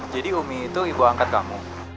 jadi umi itu ibu angkat kamu